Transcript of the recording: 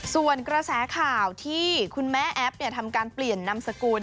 ส่วนกระแสข่าวที่คุณแม่แอฟทำการเปลี่ยนนามสกุล